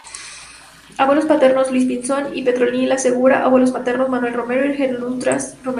Abuelos paternos: Luis Pinzón y Petronila Segura; abuelos maternos: Manuel Romero y Gertrudis Romero.